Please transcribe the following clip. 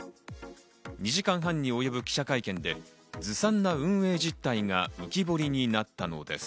２時間半に及ぶ記者会見でずさんな運営実態が浮き彫りになったのです。